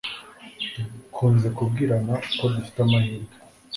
dukunze kubwirana uko dufite amahirwe